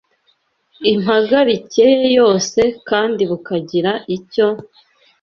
impagarike ye yose kandi bukagira icyo